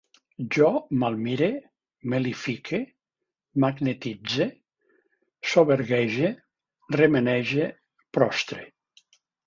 Jo malmire, mel·lifique, magnetitze, soberguege, remenege, prostre